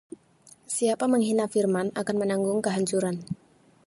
Siapa menghina firman akan menanggung kehancuran